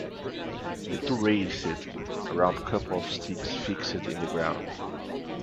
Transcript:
The two raced around couple of sticks fixed in the ground.